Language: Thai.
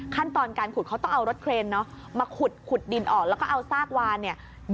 ขั้นตอนการขุดเขาต้องเอารถเครนเนอะมาขุดดินออกแล้วก็เอาซากวานเนี่ย